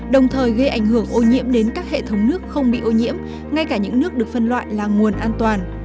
đồng thời gây ảnh hưởng ô nhiễm đến các hệ thống nước không bị ô nhiễm ngay cả những nước được phân loại là nguồn an toàn